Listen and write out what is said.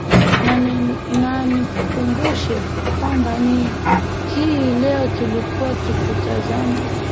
na nikukumbushe kwamba hii leo tulikuwa tukiitazama